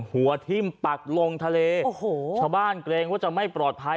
หัวทิ้มปักลงทะเลโอ้โหชาวบ้านเกรงว่าจะไม่ปลอดภัย